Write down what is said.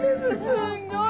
すんごい。